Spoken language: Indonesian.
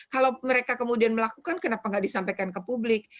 kalau mereka kemudian melakukan kenapa nggak disampaikan ke publik